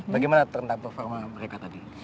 bagaimana tentang performa mereka tadi